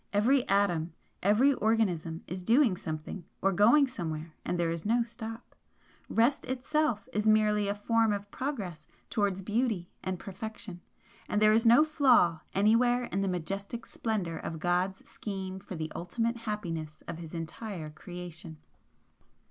Every atom, every organism is doing something, or going somewhere, and there is no stop. Rest itself is merely a form of Progress towards Beauty and Perfection, and there is no flaw anywhere in the majestic splendour of God's scheme for the ultimate happiness of His entire Creation."